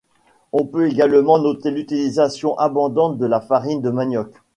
On peut également noter l'utilisation abondante de la farine de manioc.